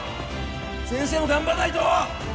先生も頑張らないと！